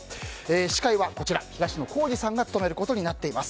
司会は東野幸治さんが務めることになっています。